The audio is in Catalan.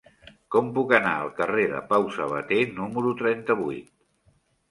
Com puc anar al carrer de Pau Sabater número trenta-vuit?